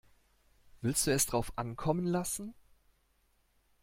Willst du es drauf ankommen lassen?